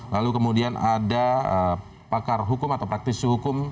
lalu kemudian ada pakar hukum atau praktisi hukum